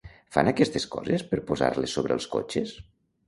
Fan aquestes coses per posar-les sobre els cotxes.